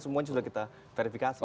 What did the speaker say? semuanya sudah kita verifikasi